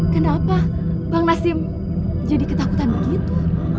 kenapa bang nasim jadi ketakutan begitu